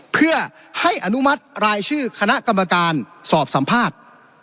เพื่อให้อนุมัติรายชื่อคณะกรรมการสอบสัมภาษณ์